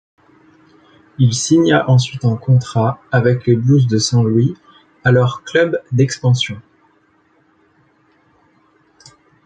Il signa ensuite un contrat avec les Blues de Saint-Louis alors club d'expansion.